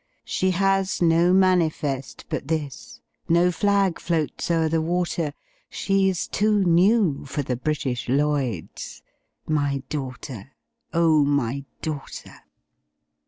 She has no manifest but this, No flag floats o'er the water, She's too new for the British Lloyds My daughter, O my daughter!